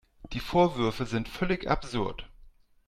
Die Vorwürfe sind völlig absurd.